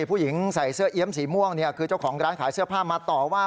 ผู้หญิงใส่เสื้อเอี๊ยมสีม่วงเนี่ยคือเจ้าของร้านขายเสื้อผ้ามาต่อว่า